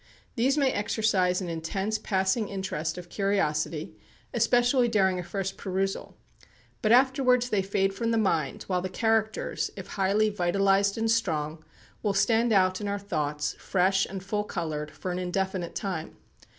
These may exercise an intense passing interest of curiosity, especially during a first perusal. But afterwards they fade from the mind, while the characters, if highly vitalized and strong, will stand out in our thoughts, fresh and full coloured, for an indefinite time.